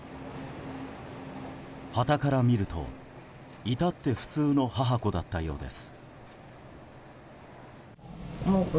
はたから見ると、至って普通の母子だったようです。